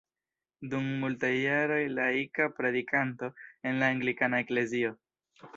Dum multaj jaroj laika predikanto en la anglikana eklezio.